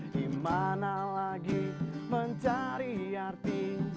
di mana lagi mencari arti